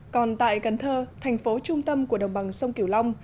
còn tại cần thơ thành phố trung tâm của đồng bằng sông kiểu long